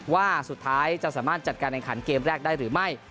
ว่าสุดท้ายจะสามารถจัดการแข่งขันเกมแรกได้หรือไม่